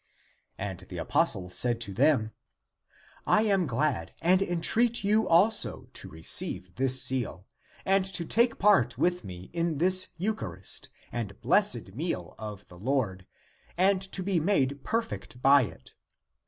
And the apostle said to them, *' I am glad and en treat you also to receive this seal, and to take part with me in this eucharist and blessed meal of the Lord, and to be made perfect by it.